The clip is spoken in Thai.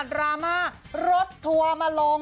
ดราม่ารถทัวร์มาลง